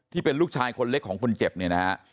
ที่เป็นลูกชายคนเล็กของคนเจ็บเนี่ยนะฮะ